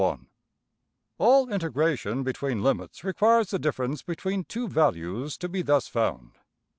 png}% All integration between limits requires the difference between two values to be thus found.